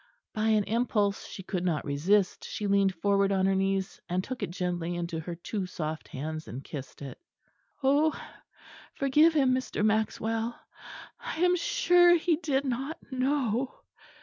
By an impulse she could not resist she leaned forward on her knees and took it gently into her two soft hands and kissed it. "Oh! forgive him, Mr. Maxwell; I am sure he did not know."